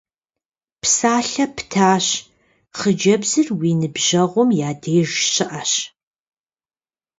Псалъэ птащ, хъыджэбзыр уи ныбжьэгъум я деж щыӀэщ.